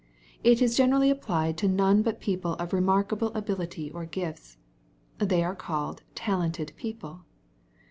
It is generally applied to none but people of remarkable ability or gifts. They are called " talented" people.